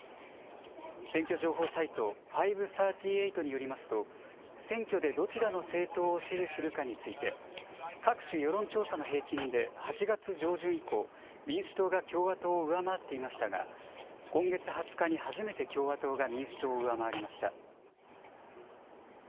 選挙情報サイト、ファイブ・サーティー・エイトによりますと、選挙でどちらの政党を支持するかについて、各種世論調査の平均で８月上旬以降、民主党が共和党を上回っていましたが、今月２０日に初めて共和党が民主党を上回りました。